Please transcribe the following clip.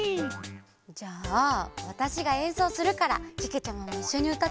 じゃあわたしがえんそうするからけけちゃまもいっしょにうたってくれる？